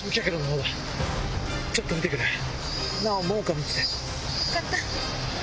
分かった。